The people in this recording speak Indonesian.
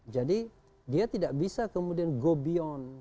jadi dia tidak bisa kemudian go beyond